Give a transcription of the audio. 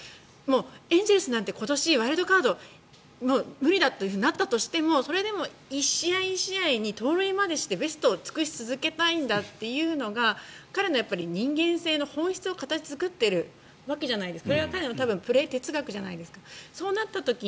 エンゼルスなんて今年、ワイルドカード無理だとなったとしてもそれでも１試合１試合に盗塁までしてベストを尽くし続けたいんだというのが彼の人間性の本質を形作ってるわけじゃないですか。